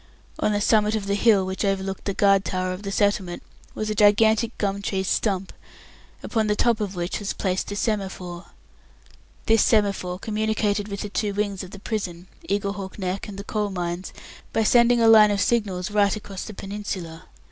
On the summit of the hill which overlooked the guard towers of the settlement was a gigantic gum tree stump, upon the top of which was placed a semaphore. This semaphore communicated with the two wings of the prison Eaglehawk Neck and the Coal Mines by sending a line of signals right across the peninsula.